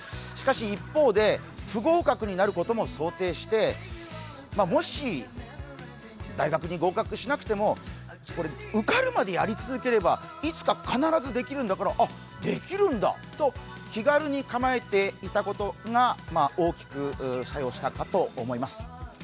しかし一方で、不合格になることも想定して、もし大学に合格しなくても受かるまでやり続ければいつか必ずできるんだから、あ、できるんだと、気軽に構えていたことが大きく作用していたかと思います。